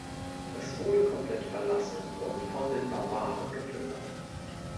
Es wurde komplett verlassen und von den Barbaren geplündert.